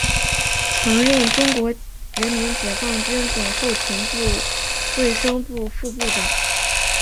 曾任中国人民解放军总后勤部卫生部副部长。